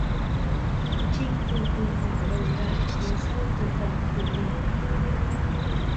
Trinh từ từ ngoảnh đầu lại phía sau cửa phòng của mình